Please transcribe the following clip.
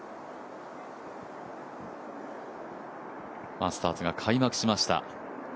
マスターズが開幕しました。